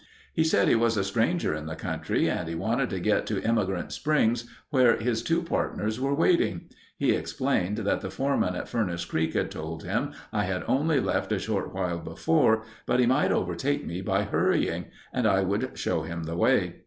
He said he was a stranger in the country and he wanted to get to Emigrant Springs where his two partners were waiting. He explained that the foreman at Furnace Creek had told him I had left only a short while before, but he might overtake me by hurrying, and I would show him the way.